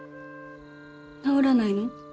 治らないの？